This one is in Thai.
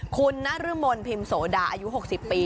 คุณนรมนพิมพ์โสดาอายุ๖๐ปี